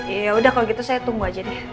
ya udah kalau gitu saya tunggu aja deh